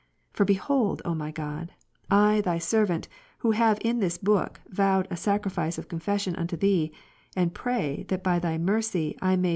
For behold, O my God, I Thy servant, who have in this book vowed a sacrifice of confession unto Thee, and pray that by Thy mercy I may /;«?